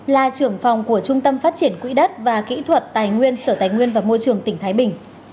là trưởng phòng của trung tâm phát triển quỹ đất và kỹ thuật tài nguyên sở tài nguyên và môi trường tỉnh thái bình